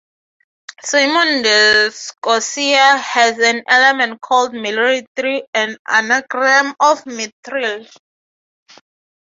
"Simon the Sorcerer" has an element called "Milrith" an anagram of Mithril.